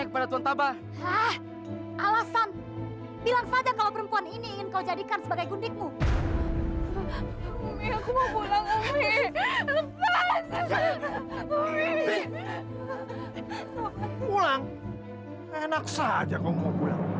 pulang enak saja kau mau pulang